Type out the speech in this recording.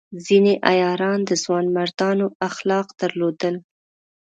ځینې عیاران د ځوانمردانو اخلاق درلودل.